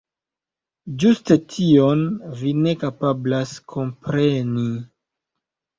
Ĝuste tion vi ne kapablas kompreni...